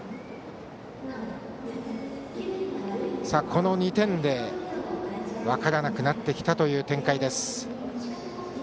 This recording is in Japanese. この２点で分からなくなってきた展開です。